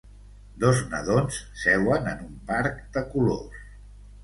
Dos nadons seuen en un parc de colors.